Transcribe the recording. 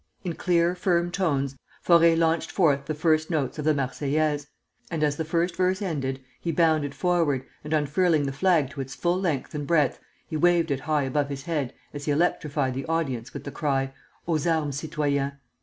In clear, firm tones, Faure launched forth the first notes of the 'Marseillaise;' and as the first verse ended, he bounded forward, and unfurling the flag to its full length and breadth, he waved it high above his head as he electrified the audience with the cry, 'Aux armes citoyens!'